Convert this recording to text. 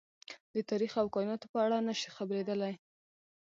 د تاريخ او کايناتو په اړه نه شي خبرېدلی.